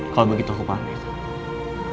kalau begitu aku pamit